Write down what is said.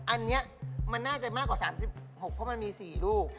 อันนี้มันน่าจะมากกว่า๓๖เพราะมันมี๔ลูก